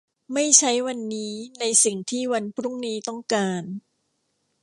ไม่ใช้วันนี้ในสิ่งที่วันพรุ่งนี้ต้องการ